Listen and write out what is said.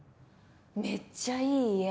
めっちゃいい家。